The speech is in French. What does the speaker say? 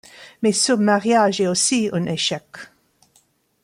Mais ce mariage est aussi un échec.